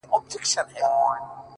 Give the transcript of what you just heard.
چي کله ستا د حسن په جلوه کي سره ناست و’